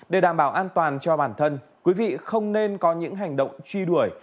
để đảm bảo an toàn cho bản thân quý vị không nên có những hành động truy đuổi